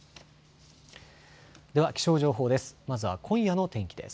では気象情報です。